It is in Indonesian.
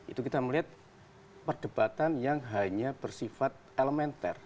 itu kita melihat perdebatan yang hanya bersifat elementer